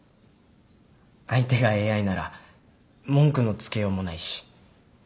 相手がＡＩなら文句のつけようもないし。